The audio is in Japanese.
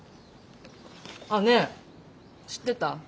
あっねえ知ってた？